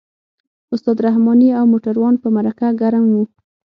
استاد رحماني او موټروان په مرکه ګرم وو.